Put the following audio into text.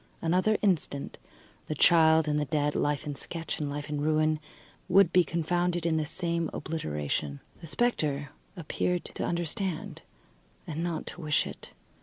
Another instant, the child and the dead, life in sketch and life in ruin, would be confounded in the same obliteration. The spectre appeared to understand, and not to wish it.